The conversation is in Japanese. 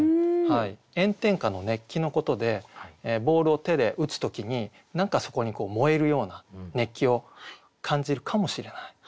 炎天下の熱気のことでボールを手で打つ時に何かそこに燃えるような熱気を感じるかもしれない。